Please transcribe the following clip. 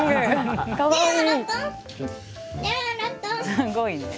すごいね。